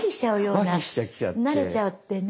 慣れちゃってね。